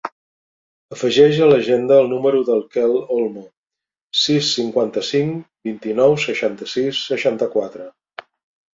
Afegeix a l'agenda el número del Quel Olmo: sis, cinquanta-cinc, vint-i-nou, seixanta-sis, seixanta-quatre.